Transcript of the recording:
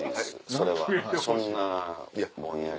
それはそんなぼんやり。